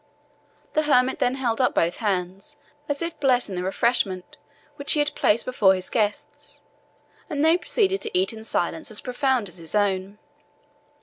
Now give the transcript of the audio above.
The hermit then held up both hands, as if blessing the refreshment which he had placed before his guests, and they proceeded to eat in silence as profound as his own.